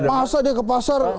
masa dia ke pasar